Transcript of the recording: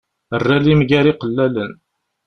Err alim gar iqellalen.